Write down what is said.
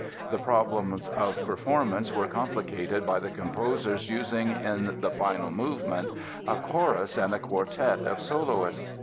The problems of performance were complicated by the composer's using in the final movement a chorus and a quartet of soloists.